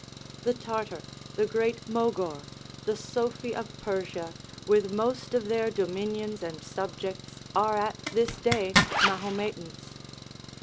The Tartar, the great Mogor, the Sophy of Persia, with most of their dominions and subjects, are at this day Mahometans.